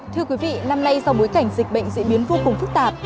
thưa quý vị năm nay do bối cảnh dịch bệnh diễn biến vô cùng phức tạp